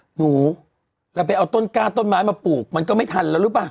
หนูเราไปเอาต้นกล้าต้นไม้มาปลูกมันก็ไม่ทันแล้วหรือเปล่า